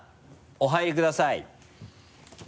お入りください。